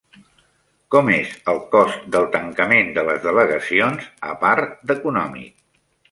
Com és el cost del tancament de les delegacions a part d'econòmic?